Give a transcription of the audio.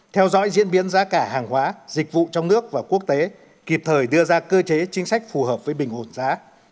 theo dõi diễn biến giá cả hàng hóa dịch vụ trong nước và quốc tế kịp thời đưa ra cơ chế chính sách phù hợp với bình ổn giá